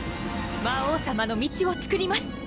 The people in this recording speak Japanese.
魔王さまの道をつくります！